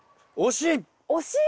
惜しい！